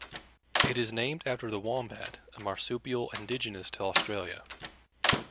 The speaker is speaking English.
It is named after the wombat, a marsupial indigenous to Australia.